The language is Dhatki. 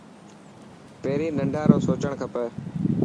پهرين ننڍان رو سوچڻ کپي.